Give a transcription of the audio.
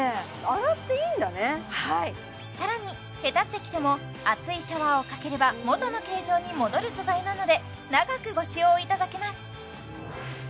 洗っていいんだねはいさらにへたってきても熱いシャワーをかければ元の形状に戻る素材なので長くご使用いただけます